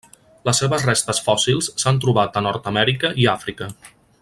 Les seves restes fòssils s'han trobat a Nord-amèrica i Àfrica.